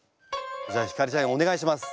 じゃあ晃ちゃんお願いします。